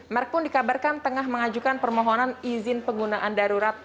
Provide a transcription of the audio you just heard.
merk pun dikabarkan tengah mengajukan permohonan izin penggunaan darurat